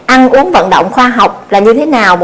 ăn uống vận động khoa học là như thế nào